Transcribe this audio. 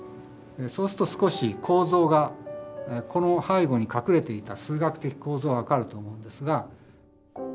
そうすると少し構造がこの背後に隠れていた数学的構造が分かると思うんですが。